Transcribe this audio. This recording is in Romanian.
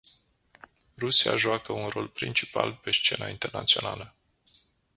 Rusia joacă un rol principal pe scena internațională.